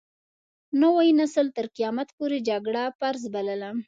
نوي نسل تر قيامت پورې جګړه فرض بلله.